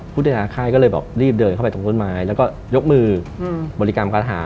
พุทธาค่ายก็เลยแบบรีบเดินเข้าไปตรงต้นไม้แล้วก็ยกมือบริกรรมคาถา